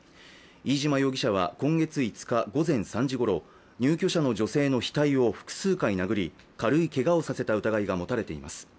飯島容疑者は今月５日午前３時ごろ入居者の女性の額を複数回殴り軽いけがをさせた疑いが持たれています。